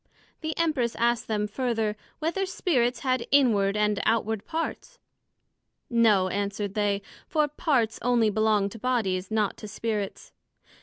The Empress asked them further, Whether Spirits had inward and outward parts? No, answered they; for parts onely belong to bodies, not to Spirits.